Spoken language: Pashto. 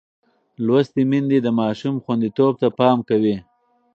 لوستې میندې د ماشوم خوندیتوب ته پام کوي.